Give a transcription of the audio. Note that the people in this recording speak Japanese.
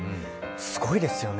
すごいですよね。